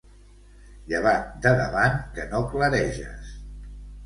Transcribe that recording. Lleva't de davant, que no clareges.